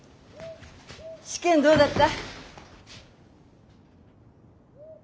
試験どうだった？